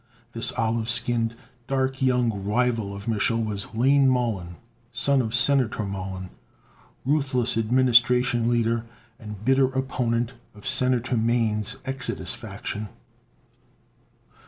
This olive skinned, dark young rival of Mich'l was Lane Mollon, son of Senator Mollon, ruthless administration leader and bitter opponent of Senator Mane's Exodus faction.